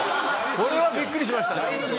これはびっくりしましたね。